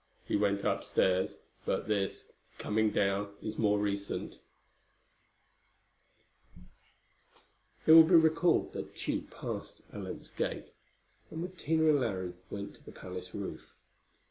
"He went upstairs; but this, coming down, is more recent." [Footnote 1: It will be recalled that Tugh passed Alent's gate, and with Tina and Larry went to the palace roof.